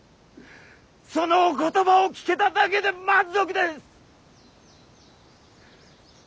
そのお言葉を聞けただけで満足です！